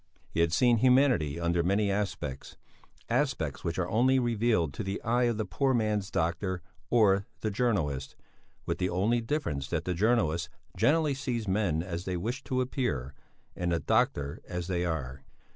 He had seen humanity under many aspects, aspects which are only revealed to the eye of the poor man's doctor or the journalist, with the only difference that the journalist generally sees men as they wish to appear, and the doctor as they are.